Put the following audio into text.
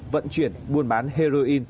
vận chuyển buôn bán heroin